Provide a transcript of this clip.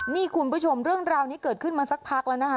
นี่คุณผู้ชมเรื่องราวนี้เกิดขึ้นมาสักพักแล้วนะคะ